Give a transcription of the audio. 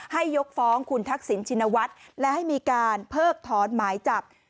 ยกฟ้องคุณทักษิณชินวัฒน์และให้มีการเพิกถอนหมายจับ